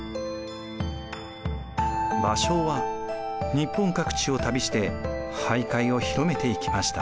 芭蕉は日本各地を旅して俳諧を広めていきました。